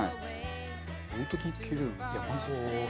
本当に切れるな。